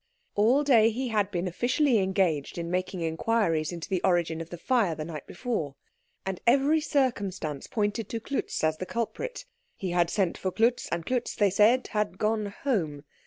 All day he had been officially engaged in making inquiries into the origin of the fire the night before, and every circumstance pointed to Klutz as the culprit. He had sent for Klutz, and Klutz, they said, had gone home.